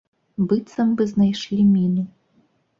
Быццам бы знайшлі міну.